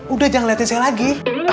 udah jangan lihatnya saya lagi